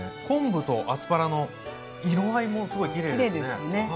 昆布とアスパラの色合いもすごいきれいですね！